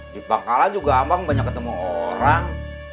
di bangkalan juga abang banyak ketemu orang